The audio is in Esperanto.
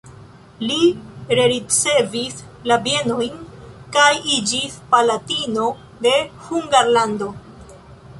Li rericevis la bienojn kaj iĝis palatino de Hungarlando.